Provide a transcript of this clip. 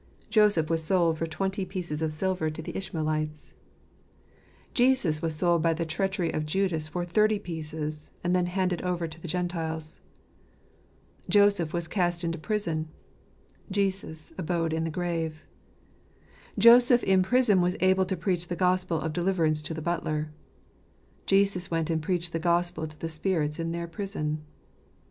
Joseph was sold for twenty pieces of silver to the Ishmaelites ; Jesus was sold 76 f&]jz j^teps of tire QDfrrotte. by the treachery of Judas for thirty pieces, and then handed over to the Gentiles. Joseph was cast into prison; Jesus abode in the grave. Joseph in prison was able to preach the gospel of deliverance to the butler; Jesus went and preached the gospel to the spirits in the prison.